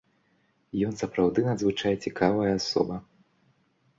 Ён сапраўды надзвычай цікавая асоба.